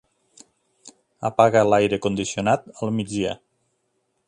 Apaga l'aire condicionat al migdia.